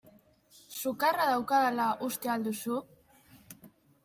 Sukarra daukadala uste al duzu?